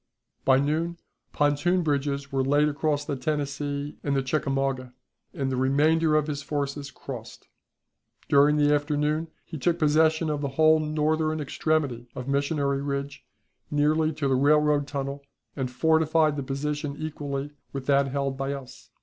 By noon pontoon bridges were laid across the Tennessee and the Chickamauga, and the remainder of his forces crossed. During the afternoon he took possession of the whole northern extremity of Missionary Ridge nearly to the railroad tunnel, and fortified the position equally with that held by us.